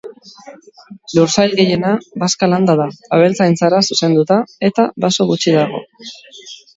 Lursail gehiena bazka-landa da, abeltzaintzara zuzenduta, eta baso gutxi dago.